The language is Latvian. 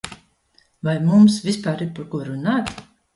Vai mums vispār ir par ko runāt?